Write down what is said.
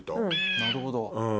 なるほど。